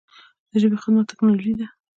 د ژبې خدمت ټکنالوژي ده.